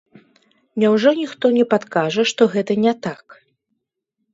Няўжо ніхто не падкажа, што гэта не так?